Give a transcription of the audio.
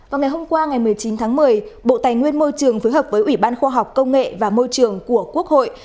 vào ngày hôm qua ngày một mươi chín tháng một mươi bộ tài nguyên môi trường phối hợp với ủy ban khoa học công nghệ và môi trường của quốc hội